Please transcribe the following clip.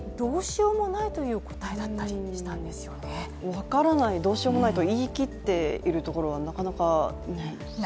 分からない、どうしようもないと言い切っているところはなかなかすごいですね。